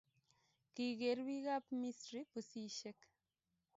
kigeer bik ab misrii pusishek